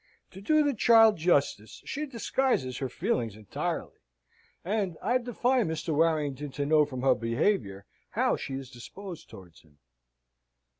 To do the child justice, she disguises her feelings entirely, and I defy Mr. Warrington to know from her behaviour how she is disposed towards him."